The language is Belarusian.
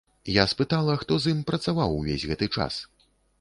Я спытала, хто з ім працаваў увесь гэты час.